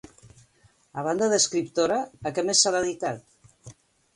A banda d'escriptora, a què més s'ha dedicat?